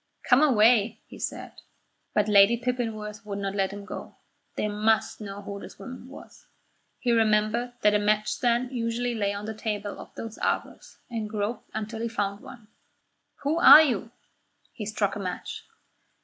"Come away," he said. But Lady Pippinworth would not let him go. They must know who this woman was. He remembered that a match stand usually lay on the tables of those arbours, and groped until he found one. "Who are you?" He struck a match.